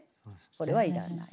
これはいらない。